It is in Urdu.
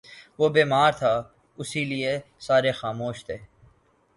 وہ بیمار تھا، اسی لئیے سارے خاموش تھے